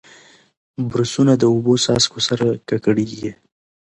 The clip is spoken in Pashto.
برسونه د اوبو څاڅکو سره ککړېږي.